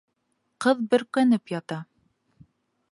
Ҡыҙ бөркәнеп ята.